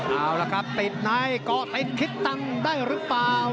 เอาล่ะครับติดในก่อเต้นคลิกตังได้หรือเปล่า